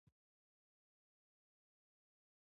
د هوټل مالک ته ووايه چې ښه ډوډۍ تياره کړي